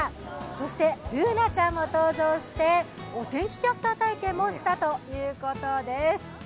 そして、Ｂｏｏｎａちゃんも登場してお天気キャスター体験もしたということです。